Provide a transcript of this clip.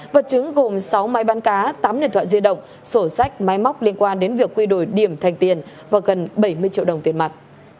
vật chứng gồm sáu máy bắn cá tám điện thoại di động sổ sách máy móc liên quan đến việc quy đổi điểm thành tiền và gần bảy mươi triệu đồng tiền mặt